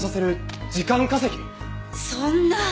そんな。